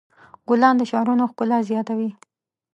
ګلان د شعرونو ښکلا زیاتوي.